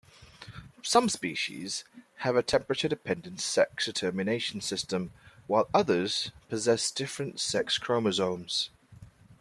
Some species have a temperature-dependent sex determination system, while others possess different sex chromosomes.